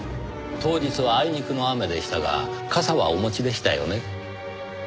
当日はあいにくの雨でしたが傘はお持ちでしたよね？